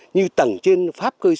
như tầng trên pháp cơi xới lên